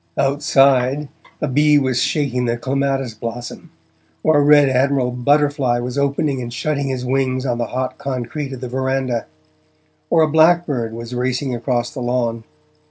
Outside, a bee was shaking the clematis blossom, or a red admiral butterfly was opening and shutting his wings on the hot concrete of the verandah, or a blackbird was racing across the lawn.